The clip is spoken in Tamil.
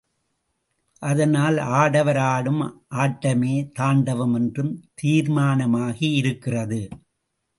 அதனால் ஆடவர் ஆடும் ஆட்டமே தாண்டவம் என்றும் தீர்மானமாகியிருக்கிறது.